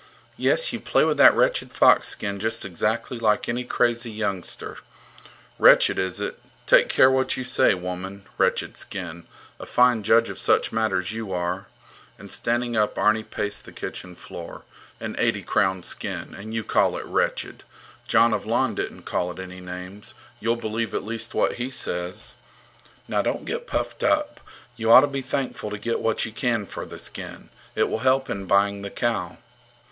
Yes, you play with that wretched fox skin just exactly like any crazy youngster. Wretched is it? Take care what you say, woman! Wretched skin! A fine judge of such matters you are! And standing up, Arni paced the kitchen floor. An eighty crown skin! And you call it wretched! Jon of Lon didn't call it any names. You'll believe at least what he says. Now, don't get puffed up. You ought to be thankful to get what you can for the skin. It will help in buying the cow.